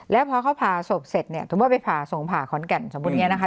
แล้วพอเขาผ่าศพเสร็จเนี่ยถูกว่าไปผ่าส่งผ่าขอนแก่นสมมุติไงนะคะ